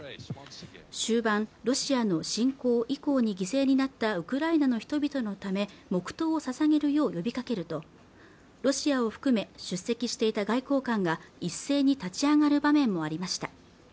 終盤ロシアの侵攻以降に犠牲になったウクライナの人々のため黙祷を捧げるよう呼びかけるとロシアを含め出席していた外交官が一斉に立ち上がる場面もありました